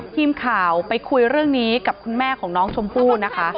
ทีมข่าวไปคุยเรื่องนี้กับคุณแม่ของน้องชมพู่นะคะ